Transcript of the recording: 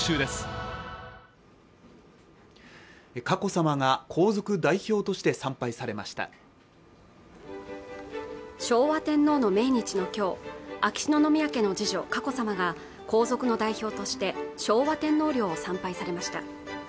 佳子さまが皇族代表として参拝されました昭和天皇の命日の今日秋篠宮家の次女佳子さまが皇族の代表として昭和天皇陵を参拝されました